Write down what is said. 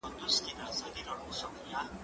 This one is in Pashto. زه کولای شم اوبه وڅښم!؟